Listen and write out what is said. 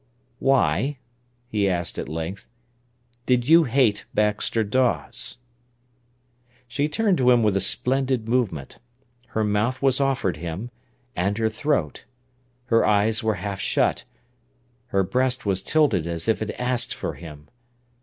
"Why," he asked at length, "did you hate Baxter Dawes?" She turned to him with a splendid movement. Her mouth was offered him, and her throat; her eyes were half shut; her breast was tilted as if it asked for him.